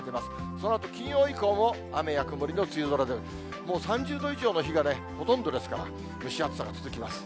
そのあと金曜以降も雨や曇りの梅雨空で、もう３０度以上の日がね、ほとんどですから、蒸し暑さが続きます。